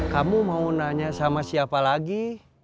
kamu mau nanya sama siapa lagi